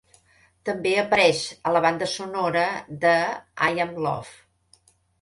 També apareix a la banda sonora de I Am Love.